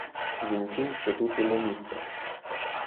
Він чув, що тут йому місце.